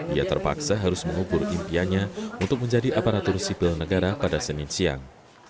ia terpaksa harus mengukur impiannya untuk menjadi aparatur sipil negara pada senin siang